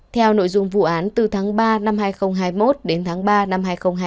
theo nội dung vụ án từ tháng ba năm hai nghìn hai mươi một đến tháng ba năm hai nghìn hai mươi hai